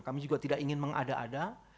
kami juga tidak ingin mengada ada